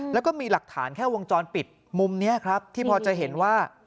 แล้วก็มีหลักฐานแค่วงจรปิดมุมนี้ครับที่พอจะเห็นว่า